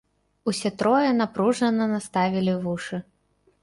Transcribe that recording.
Усе трое напружана наставілі вушы.